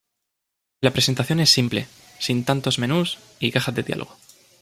La presentación es simple, sin tantos menús y cajas de diálogo.